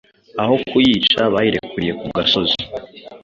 Aho kuyica bayirekuriye ku gasozi